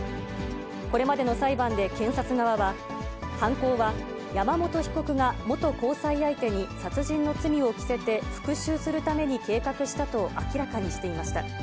これまでの裁判で検察側は、犯行は山本被告が元交際相手に殺人の罪を着せて復しゅうするために計画したと明らかにしていました。